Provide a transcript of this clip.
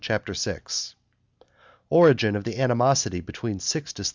CHAPTER VI Origin of the animosity between Sixtus IV.